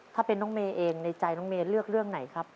ถ้าเป็นน้องเมย์เองในใจน้องเมย์เลือกเรื่องไหนครับ